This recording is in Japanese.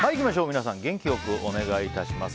皆さん、元気良くお願いします。